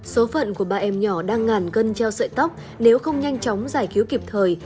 số phận của ba em nhỏ đang ngàn cân treo sợi tóc nếu không nhanh chóng giải cứu kịp thời